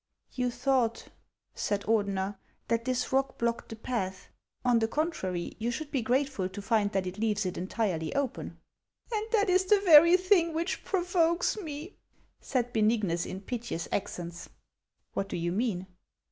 " You thought," said Ordener, " that this rock blocked the path ; on the contrary, you should be grateful to find that it leaves it entirely open." " And that is the very thing which provokes me," said Benignus, in piteous accents. " What do you mean